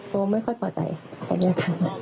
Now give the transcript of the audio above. โบไม่ค่อยปลอดภัยแค่นี้ค่ะ